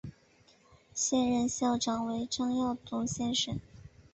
现任校长为张耀忠先生。